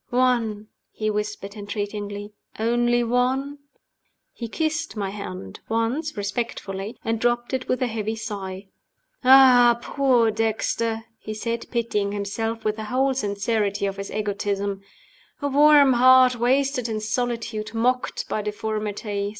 "One?" he whispered, entreatingly. "Only one?" He kissed my hand once, respectfully and dropped it with a heavy sigh. "Ah, poor Dexter!" he said, pitying himself with the whole sincerity of his egotism. "A warm heart wasted in solitude, mocked by deformity.